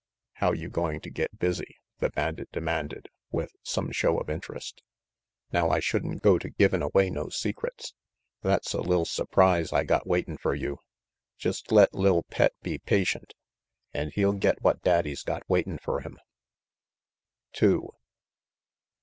"How you going to get busy?" the bandit demanded, with some show of interest. "Now I should'n go to givin' away no secrets. That's a li'l s'prise I got waitin' fer you. Jest let li'l pet be patient, an' he'll get what daddy's got waitin' fer him. Two.